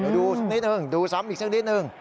ดูสักนิดนึงดูซ้ำอีกสักนิดนึง